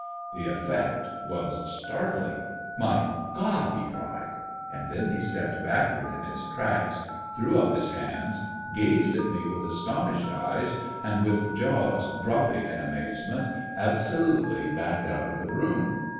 The effect was startling. "My God !" he cried. And then he stepped backward in his tracks, threw up his hands, gazed at me with astonished eyes, and, with jaws dropping in amazement, absolutely backed out of the room.